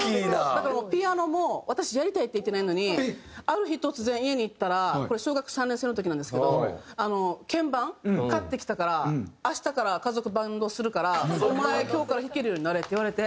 だからピアノも私やりたいって言ってないのにある日突然家に行ったらこれ小学３年生の時なんですけど「鍵盤買ってきたから明日から家族バンドするからお前今日から弾けるようになれ」って言われて。